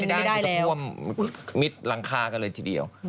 ไม่ได้ที่จะคว่ำมิดหลังคากันเลยทีเดียว